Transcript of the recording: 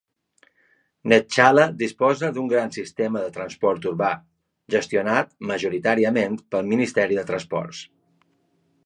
Neftchala disposa d'un gran sistema de transport urbà, gestionat majoritàriament pel Ministeri de transports.